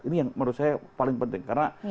ini yang menurut saya paling penting karena